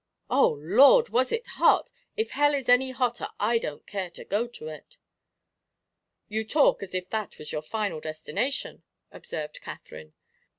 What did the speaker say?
"Oh, Lord! Was it hot? If hell is any hotter I don't care to go to it." "You talk as if that was your final destination," observed Katherine.